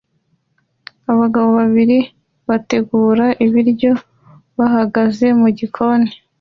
Abagabo babiri bategura ibiryo bahagaze mugikoni